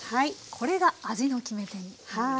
これが味の決め手になります。